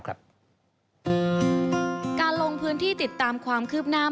การลงพื้นที่ติดตามความคืบหน้า